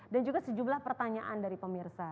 dan juga sejumlah pertanyaan dari pemirsa